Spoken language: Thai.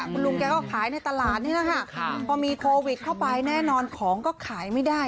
คุณลุงแกก็ขายในตลาดนี่แหละค่ะพอมีโควิดเข้าไปแน่นอนของก็ขายไม่ได้